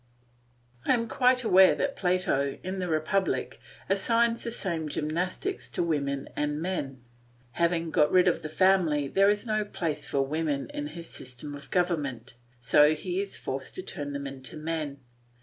I am quite aware that Plato, in the Republic, assigns the same gymnastics to women and men. Having got rid of the family there is no place for women in his system of government, so he is forced to turn them into men.